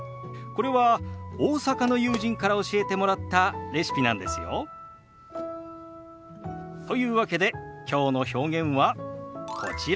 これは大阪の友人から教えてもらったレシピなんですよ。というわけできょうの表現はこちら。